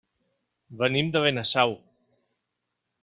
Venim de Benasau.